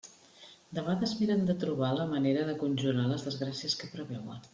Debades miren de trobar la manera de conjurar les desgràcies que preveuen.